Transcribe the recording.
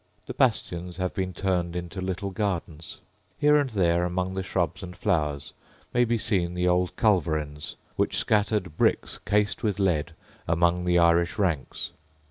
The bastions have been turned into little gardens. Here and there, among the shrubs and flowers, may be seen the old culverins which scattered bricks, cased with lead, among the Irish ranks.